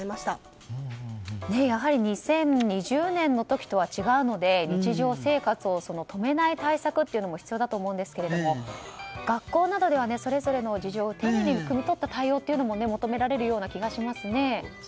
やはり２０２０年の時とは違うので日常生活を止めない対策というのも必要だと思うんですけれども学校などではそれぞれの事情をくみ取った対応というのも求められるような気がしますね。